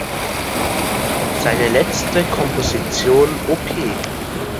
Seine letzte Komposition op.